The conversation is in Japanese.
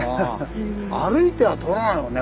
歩いては通らないもんね